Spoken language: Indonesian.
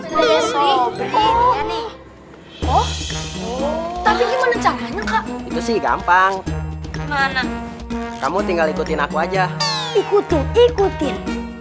tapi gimana caranya itu sih gampang kamu tinggal ikutin aku aja ikutin ikutin